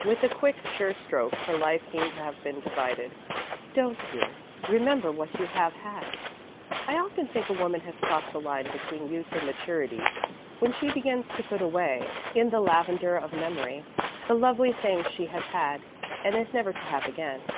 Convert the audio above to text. With a quick, sure stroke, her life seemed to have been divided. "Don't, dear. Remember what you have had. I often think a woman has crossed the line between youth and maturity, when she begins to put away, in the lavender of memory, the lovely things she has had and is never to have again.